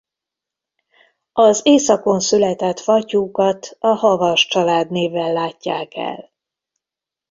Az északon született fattyúkat a Havas családnévvel látják el.